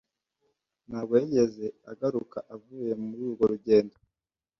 Ntabwo yigeze agaruka avuye muri urwo rugendo.